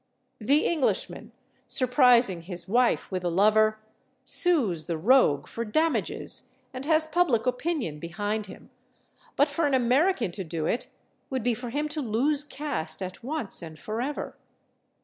The Englishman, surprising his wife with a lover, sues the rogue for damages and has public opinion behind him, but for an American to do it would be for him to lose caste at once and forever.